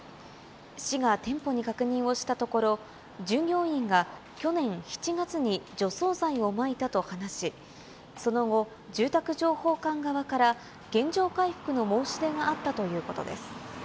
市が店舗に確認をしたところ、従業員が去年７月に除草剤をまいたと話し、その後、住宅情報館側から原状回復の申し出があったということです。